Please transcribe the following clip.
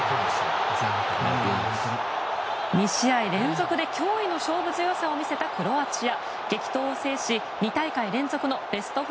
２試合連続で、驚異の勝負強さを見せたクロアチア。